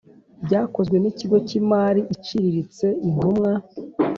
byakozwe n ikigo cy imari iciriritse intumwa